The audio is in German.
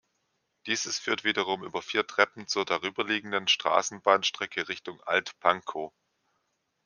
Dieses führt wiederum über vier Treppen zur darüberliegenden Straßenbahn-Strecke Richtung Alt-Pankow.